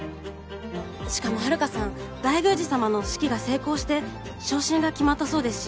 しかも遥さん大宮司様の式が成功して昇進が決まったそうですし。